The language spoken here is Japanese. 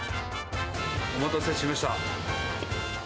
お待たせしました。